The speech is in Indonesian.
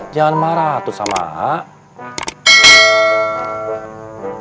jangan marah ato sama a a